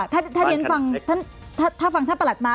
ถ้าเดี๋ยวหนึ่งฟังถ้าฟังทั้งประหลักมา